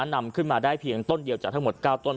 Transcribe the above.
นำขึ้นมาได้เพียงต้นเดียวจากทั้งหมด๙ต้น